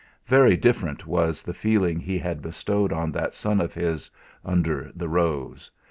Very different was the feeling he had bestowed on that son of his "under the rose."